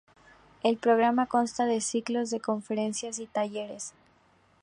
El programa consta de ciclos de conferencias y talleres.